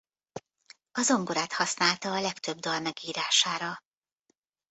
A zongorát használta a legtöbb dal megírására.